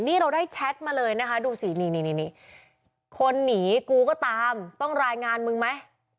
นี่เราได้แชทมาเลยนะคะดูสินี่คนหนีกูก็ตามต้องรายงานมึงไหม